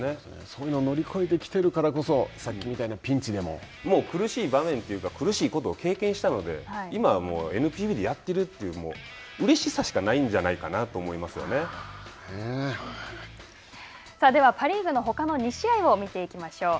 それを乗り越えてきているからこそ、さっきみたいなピンチでも苦しい場面というか苦しいことを経験したので、今はもうＮＰＢでやっているといううれしさしかではパ・リーグのほかの２試合を見ていきましょう。